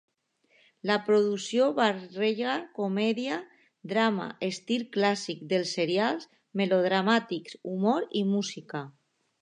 La producció barreja comèdia, drama, estil clàssic dels serials melodramàtics, humor i música.